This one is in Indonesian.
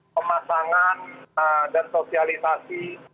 pemasangan dan sosialisasi